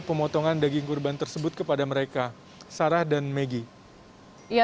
pemotongan daging kurban tersebut kepada mereka sarah dan megi